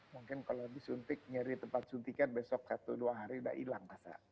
mungkin kalau disuntik nyari tempat suntikan besok satu dua hari udah hilang